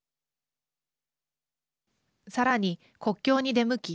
さらに、国境に出向き